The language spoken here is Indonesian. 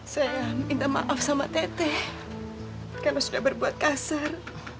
saya minta maaf sama teteh karena sudah berbuat kasar